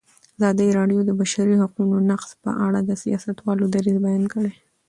ازادي راډیو د د بشري حقونو نقض په اړه د سیاستوالو دریځ بیان کړی.